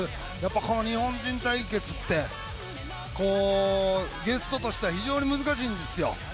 この日本人対決って、ゲストとしては非常に難しいんですよ。